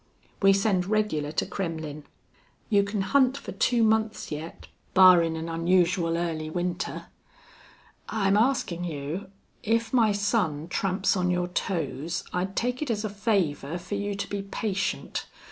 We send regular to Kremmlin'. You can hunt fer two months yet, barrin' an onusual early winter.... I'm askin' you if my son tramps on your toes I'd take it as a favor fer you to be patient.